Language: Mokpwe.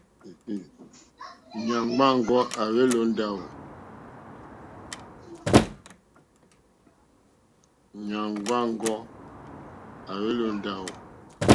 Nyàŋgo wàŋgo à hwelì o ndawò?